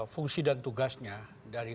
fungsi dan tugasnya dari